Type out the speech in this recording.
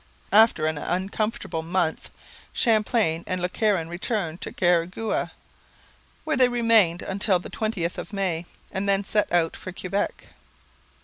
After an uncomfortable month Champlain and Le Caron returned to Carhagouha, where they remained until the 20th of May, and then set out for Quebec.